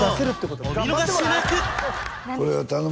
お見逃しなく！